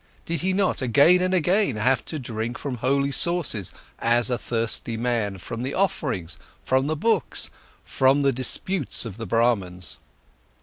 Did he not, again and again, have to drink from holy sources, as a thirsty man, from the offerings, from the books, from the disputes of the Brahmans?